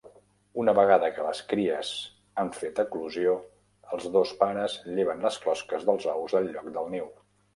Una vegada que les cries han fet eclosió, els dos pares lleven les closques dels ous del lloc del niu.